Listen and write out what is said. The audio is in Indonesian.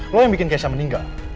lo yang bikin kesa meninggal